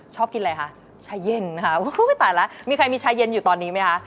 ชอบกินอะไรคะชาเย็นค่ะตายแล้วมีใครมีชายเย็นอยู่ตอนนี้ไหมคะ